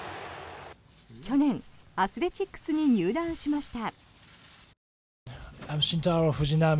去年アスレチックスに入団しました。